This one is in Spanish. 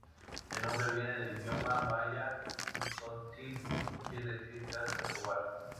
El nombre viene del idioma maya tzotzil y quiere decir ‘Casa del Jaguar’.